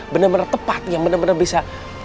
bener bener tepat yang bener bener bisa